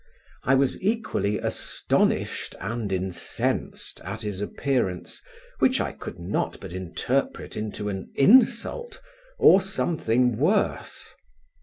I was equally astonished and incensed at his appearance, which I could not but interpret into an insult, or something worse.